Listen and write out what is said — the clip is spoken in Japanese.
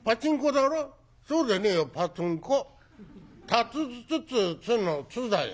たつつつつつの『つ』だよ」。